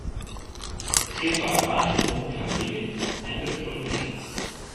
It skip waard woansdeitemoarn foar in wike entere troch de marine.